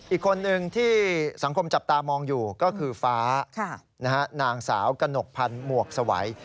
อีกคนนึงที่สังคมจับตามองอยู่ก็คือฟ้านางสาวกระหนกพันธ์หมวกสวัย